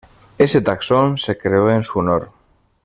Ese taxón se creó en su honor.